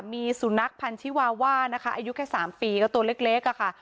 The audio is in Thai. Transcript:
มีสุนัขพันธิวาว่านะคะอายุแค่๓ปีก็ตัวเล็กอะค่ะ